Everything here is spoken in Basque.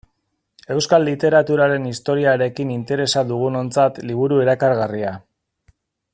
Euskal literaturaren historiarekin interesa dugunontzat liburu erakargarria.